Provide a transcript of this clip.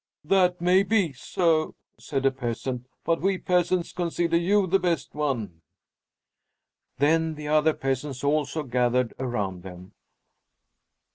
"That may be so," said a peasant, "but we peasants consider you the best one." Then the other peasants also gathered around them.